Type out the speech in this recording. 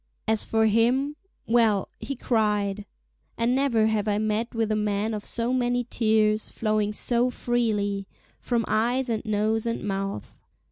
As for him, well—he cried. And never have I met with a man of so many tears, flowing so freely—from eyes and nose and mouth.